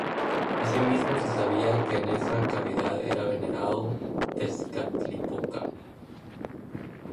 Asimismo, se sabía que en esa cavidad era venerado Tezcatlipoca.